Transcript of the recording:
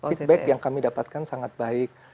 feedback yang kami dapatkan sangat baik